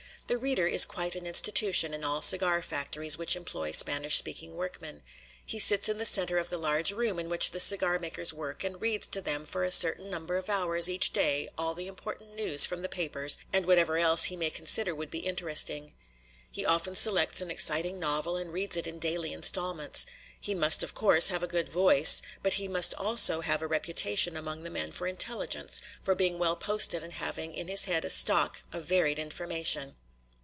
The "reader" is quite an institution in all cigar factories which employ Spanish speaking workmen. He sits in the center of the large room in which the cigar makers work and reads to them for a certain number of hours each day all the important news from the papers and whatever else he may consider would be interesting. He often selects an exciting novel and reads it in daily installments. He must, of course, have a good voice, but he must also have a reputation among the men for intelligence, for being well posted and having in his head a stock of varied information.